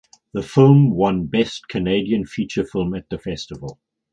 The film won Best Canadian Feature Film at the festival.